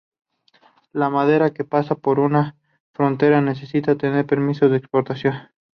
La madera que pasa por una frontera necesita tener permisos de exportación.